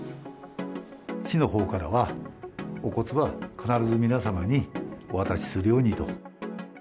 市のほうからは、お骨は必ず皆様にお渡しするようにと。